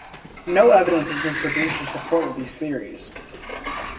No evidence has been produced in support of these theories.